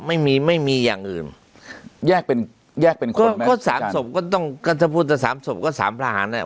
ไม่มีไม่มีอย่างอื่นแยกเป็นแยกเป็นคนก็สามศพก็ต้องก็ถ้าพูดแต่สามศพก็สามทหารอ่ะ